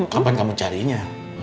kapan kamu carinya